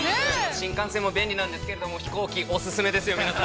◆新幹線も便利なんですけれども飛行機、お勧めですよ、皆さん。